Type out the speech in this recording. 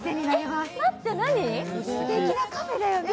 すてきなカフェだよね。